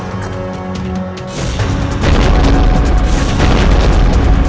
prajurit aku ingin buang air kecil